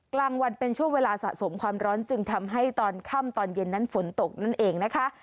กลางวันเป็นช่วงเวลาสะสมความร้อนจึงทำให้ตอนค่ำตอนเย็นนั้นฝนตกนั่นเองนะคะ